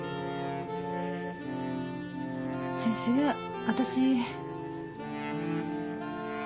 先生私。